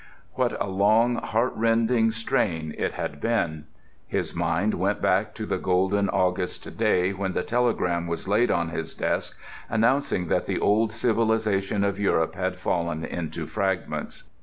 What a long, heart rending strain it had been! His mind went back to the golden August day when the telegram was laid on his desk announcing that the old civilization of Europe had fallen into fragments.